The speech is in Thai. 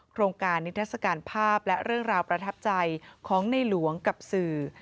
โครงการนิทัศกาลภาพและเรื่องราวประทับใจของในหลวงกับสื่อ